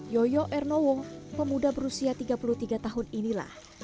yoyo ernowo pemuda berusia tiga puluh tiga tahun inilah